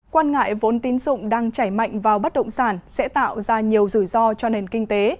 quan ngại vốn tín dụng đang chảy mạnh vào bất động sản sẽ tạo ra nhiều rủi ro cho nền kinh tế